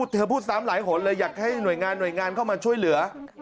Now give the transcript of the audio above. เธอพูดสามหลายขนเลยอยากให้หน่วยงานเข้ามาช่วยเหลือ